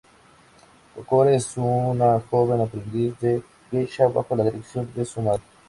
Kokoro es una joven aprendiz de Geisha, bajo la dirección de su madre.